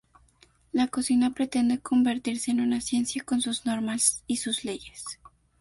La cocina pretende convertirse en una ciencia, con sus normas y sus leyes.